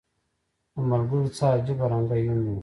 د ملګرو څه عجیبه رنګه یون و